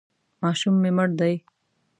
ماشوم مې مړ دی.